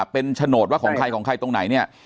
เป็นโฉนดว่าของใครของใครตรงไหนเนี่ย